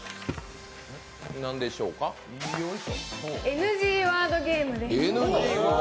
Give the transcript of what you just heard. ＮＧワードゲームです。